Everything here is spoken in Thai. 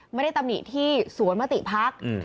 ไม่ได้ตำหนิที่สวนมติภักดิ์